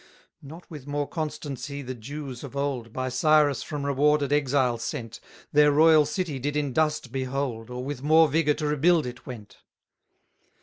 290 Not with more constancy the Jews of old, By Cyrus from rewarded exile sent, Their royal city did in dust behold, Or with more vigour to rebuild it went.